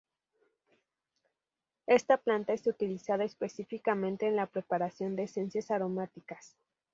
Esta planta es utilizada específicamente en la preparación de esencias aromáticas.